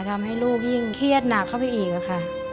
ทำให้ลูกยิ่งเครียดหนักเข้าไปอีกค่ะ